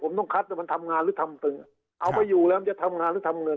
ผมต้องคัดว่ามันทำงานหรือทำเป็นเอาไปอยู่แล้วมันจะทำงานหรือทำเงิน